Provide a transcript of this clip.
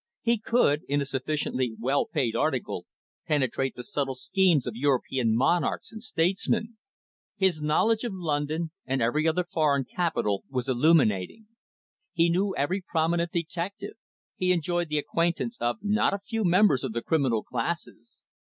He could, in a sufficiently well paid article, penetrate the subtle schemes of European monarchs and statesmen. His knowledge of London and every other foreign capital was illuminating. He knew every prominent detective, he enjoyed the acquaintance of not a few members of the criminal classes.